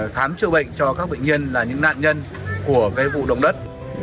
khám trựu bệnh cho các bệnh nhân là những nạn nhân của vụ đồng đất